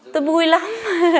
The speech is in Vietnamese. tôi vui lắm